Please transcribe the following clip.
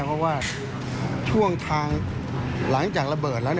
เพราะว่าช่วงทางหลังจากระเบิดแล้ว